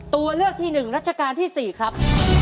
ตัวเลือกที่๑รัชกาลที่๔ครับ